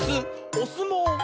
「おすもう」！